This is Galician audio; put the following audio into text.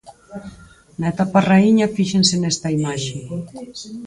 Na etapa raíña fíxense nesta imaxe.